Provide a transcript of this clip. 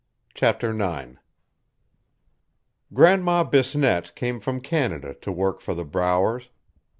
Chapter 9 Grandma Bisnette came from Canada to work for the Browers.